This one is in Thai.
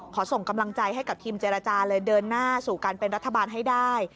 ส่งกำลังใจให้กับทีมเจรจาเลยเดินหน้าสู่การเป็นรัฐบาลให้ได้